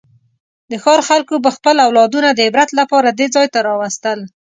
د ښار خلکو به خپل اولادونه د عبرت لپاره دې ځای ته راوستل.